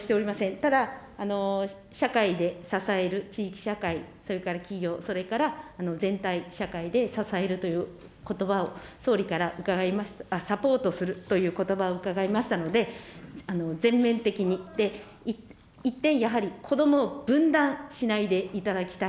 ただ社会で支える地域社会、それから企業、それから全体社会で支えるということばを総理から、サポートするということばを伺いましたので、全面的に、一点やはり子どもを分断しないでいただきたい。